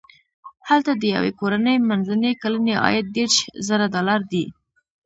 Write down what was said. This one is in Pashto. هلته د یوې کورنۍ منځنی کلنی عاید دېرش زره ډالر دی.